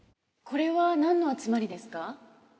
これはなんの集まりですか？